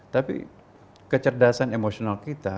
tapi kecerdasan emosional kita